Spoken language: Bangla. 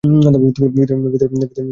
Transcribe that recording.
ভিতরে গিয়ে বসো।